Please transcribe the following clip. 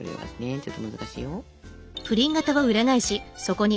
ちょっと難しいよ。